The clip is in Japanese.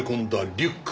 リュック